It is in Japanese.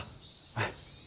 はい。